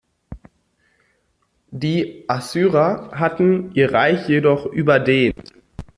Die Assyrer hatten ihr Reich jedoch überdehnt.